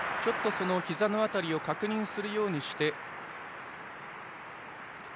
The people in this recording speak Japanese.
ひざの辺りを確認するようにして。